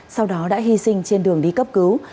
sau đó đã hy sinh trên đường đi cấp cứu